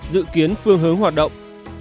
ba dự kiến phương hướng hoạt động